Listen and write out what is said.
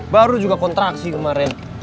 baru juga kontraksi kemarin